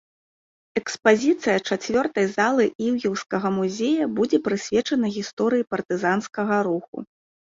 Экспазіцыя чацвёртай залы іўеўскага музея будзе прысвечана гісторыі партызанскага руху.